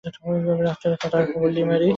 ডাক্তারের কথার গুল্লি মারি।